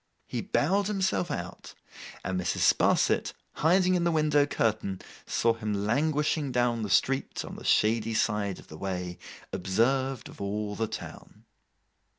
He bowed himself out; and Mrs. Sparsit, hiding in the window curtain, saw him languishing down the street on the shady side of the way, observed of all the town.